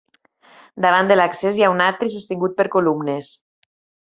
Davant de l'accés hi ha un atri sostingut per columnes.